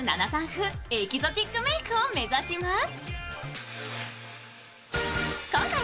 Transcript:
風エキゾチックメークを目指します。